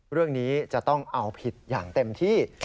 เรื่องนี้จะต้องเอาผิดอย่างเต็มที่